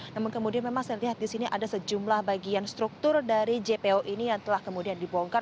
namun kemudian memang saya lihat di sini ada sejumlah bagian struktur dari jpo ini yang telah kemudian dibongkar